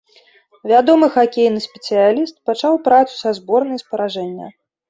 Вядомы хакейны спецыяліст пачаў працу са зборнай з паражэння.